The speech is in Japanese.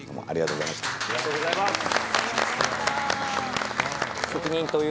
ありがとうございます。